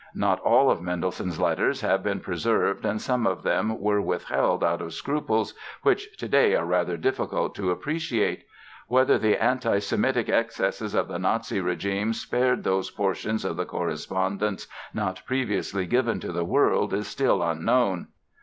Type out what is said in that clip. Not all of Mendelssohn's letters have been preserved and some of them were withheld out of scruples which today are rather difficult to appreciate. Whether the anti Semitic excesses of the Nazi regime spared those portions of the correspondence not previously given to the world is still unknown.